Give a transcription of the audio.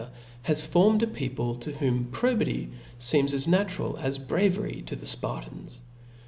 gif Book later has formed a people, to whom probity feems cbai^ 6. as natural as bravery to the Spartans.